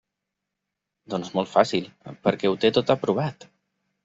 Doncs molt fàcil: perquè ho té tot aprovat!